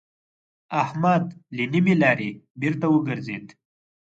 احمد له نيمې لارې بېرته وګرځېد.